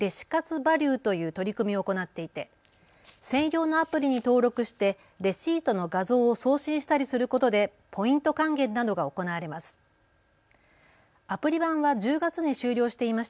ＶＡＬＵＥという取り組みを行っていて、専用のアプリに登録してレシートの画像を送信したりすることでポイント還元などが行われます。